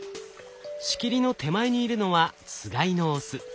仕切りの手前にいるのはつがいのオス。